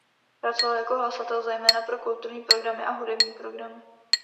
Pracoval jako hlasatel zejména pro kulturní programy a hudební programy.